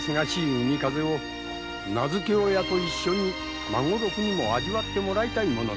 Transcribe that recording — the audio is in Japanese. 海風を名付け親と一緒に孫六にも味わってもらいたいものだ。